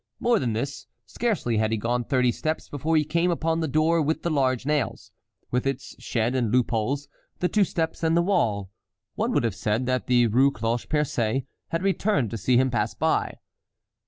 More than this, scarcely had he gone thirty steps before he came upon the door with the large nails, with its shed and loop holes, the two steps and the wall. One would have said that the Rue Cloche Percée had returned to see him pass by.